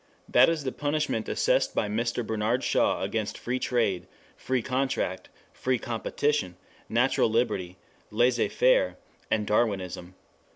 That is the punishment assessed by Mr. Bernard Shaw against Free Trade, Free Contract, Free Competition, Natural Liberty, Laissez faire, and Darwinism.